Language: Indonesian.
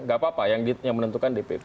gak apa apa yang menentukan dpp